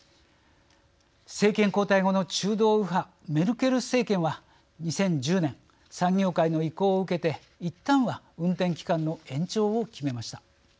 政権交代後の中道右派メルケル政権は２０１０年産業界の意向を受けていったんは運転期間の延長を決めました。